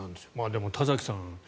でも田崎さん